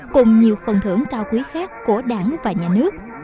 cùng nhiều phần thưởng cao quý khác của đảng và nhà nước